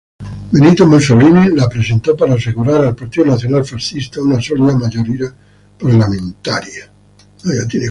Benito Mussolini la presentó para asegurar al Partido Nacional Fascista una sólida mayoría parlamentaria.